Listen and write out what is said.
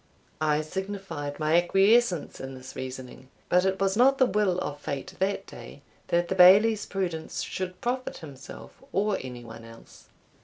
I signified my acquiescence in this reasoning; but it was not the will of fate that day that the Bailie's prudence should profit himself or any one else.